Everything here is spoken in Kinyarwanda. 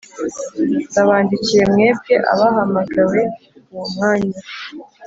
ndabandikiye mwebwe abahamagaweuwo mwanya